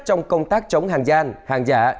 trong công tác chống hàng gian hàng giả